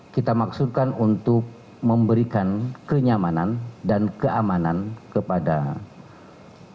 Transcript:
kita maksudkan untuk memberikan kenyamanan dan keamanan kepada masyarakat